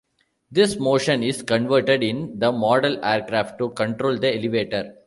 This motion is converted in the model aircraft to control the elevator.